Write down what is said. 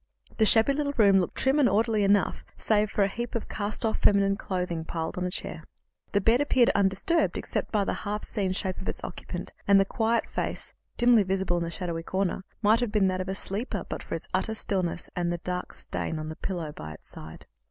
The shabby little room looked trim and orderly enough, save for a heap of cast off feminine clothing piled upon a chair. The bed appeared undisturbed except by the half seen shape of its occupant, and the quiet face, dimly visible in its shadowy corner, might have been that of a sleeper but for its utter stillness and for a dark stain on the pillow by its side.